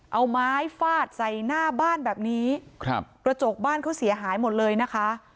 เอาไม้ฟาดใส่หน้าบ้านแบบนี้ครับกระจกบ้านเขาเสียหายหมดเลยนะคะ